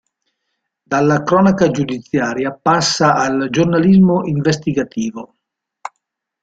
Dalla cronaca giudiziaria passa al giornalismo investigativo.